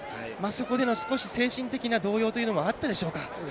そこまでの精神的な動揺というのもあったでしょうか。